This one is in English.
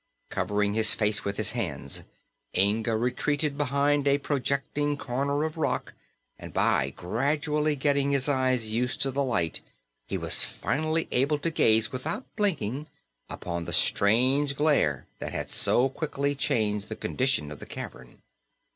Covering his face with his hands, Inga retreated behind a projecting corner of rock and by gradually getting his eyes used to the light he was finally able to gaze without blinking upon the strange glare that had so quickly changed the condition of the cavern.